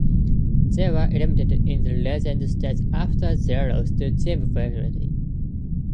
They were eliminated in the Legends stage after their loss to Team Vitality.